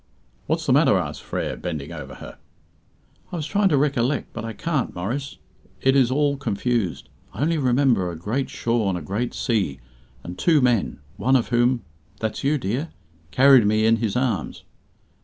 "What's the matter?" asked Frere, bending over her. "I was trying to recollect, but I can't, Maurice. It is all confused. I only remember a great shore and a great sea, and two men, one of whom that's you, dear carried me in his arms."